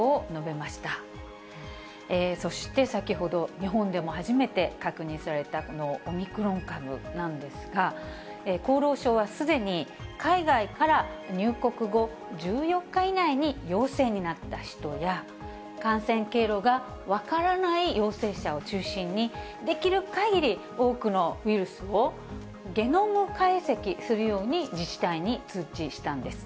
そして先ほど、日本でも初めて確認されたオミクロン株なんですが、厚労省はすでに、海外から入国後１４日以内に陽性になった人や、感染経路が分からない陽性者を中心に、できるかぎり多くのウイルスをゲノム解析するように自治体に通知したんです。